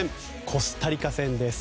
コスタリカ戦です。